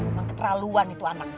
emang keterlaluan itu anak